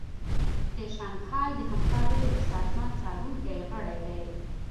د شانګهای د همکاریو د سازمان څارونکی غړی دی